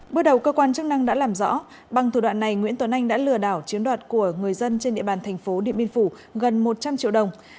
bước đầu cơ quan chức năng đã làm rõ bằng thủ đoạn này nguyễn tuấn anh đã lừa đảo chiếm đoạt của người dân trên địa bàn thành phố điện biên phủ gần một trăm linh triệu đồng